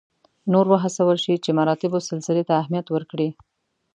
نور وهڅول شي چې مراتبو سلسلې ته اهمیت ورکړي.